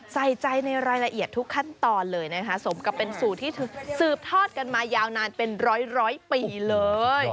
ใส่ใจในรายละเอียดทุกขั้นตอนเลยนะคะสมกับเป็นสูตรที่สืบทอดกันมายาวนานเป็นร้อยปีเลย